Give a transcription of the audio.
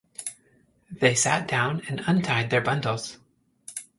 They sat down and untied their bundles.